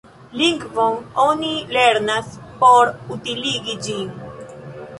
Lingvon oni lernas por utiligi ĝin.